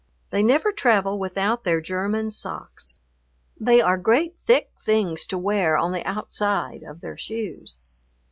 They never travel without their German socks. They are great thick things to wear on the outside of their shoes.